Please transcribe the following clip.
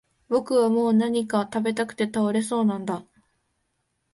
僕はもう何か喰べたくて倒れそうなんだ